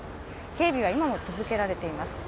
警備は今も続けられています。